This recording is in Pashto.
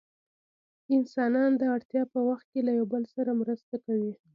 انسانان د اړتیا په وخت کې له یو بل سره مرسته کوي.